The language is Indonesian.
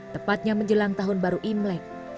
tepatnya menjelang tahun baru imlek